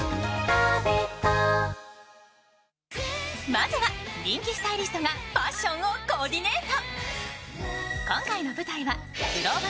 まずは人気スタイリストがファッションをコーディネート。